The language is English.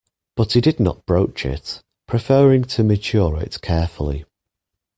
But he did not broach it, preferring to mature it carefully.